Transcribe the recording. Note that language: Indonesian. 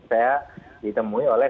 saya ditemui oleh